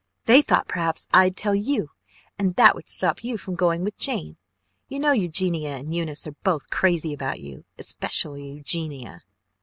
They thought perhaps I'd tell you and that would stop you from going with Jane. You know Eugenia and Eunice are both crazy about you, especially Eugenia